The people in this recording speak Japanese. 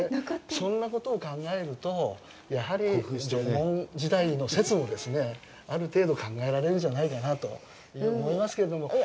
そんなことを考えるとやはり縄文時代の説もある程度考えられるんじゃないかなと思いますけれども。